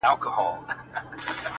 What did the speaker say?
نن پښتون پر ویښېدو دی-